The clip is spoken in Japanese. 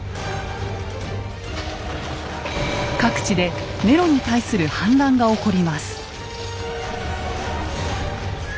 各地でネロに対する反乱が起こります。